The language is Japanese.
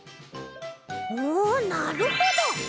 おなるほど！